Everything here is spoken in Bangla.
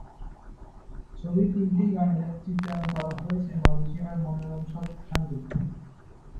ছবির তিনটি গানের চিত্রায়ন করা হয়েছে মালয়েশিয়ার মনোরম সব স্থানগুলোতে।